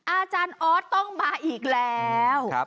อาจารย์ออสต้องมาอีกแล้ว